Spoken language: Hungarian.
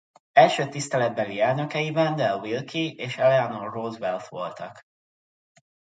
Első tiszteletbeli elnökei Wendell Wilkie és Eleanor Roosevelt voltak.